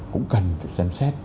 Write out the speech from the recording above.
cũng cần phải xem xét